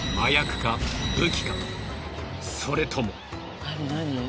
それとも。